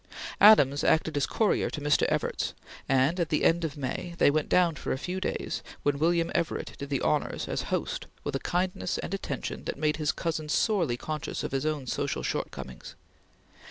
Adams acted as courier to Mr. Evarts, and at the end of May they went down for a few days, when William Everett did the honors as host with a kindness and attention that made his cousin sorely conscious of his own social shortcomings.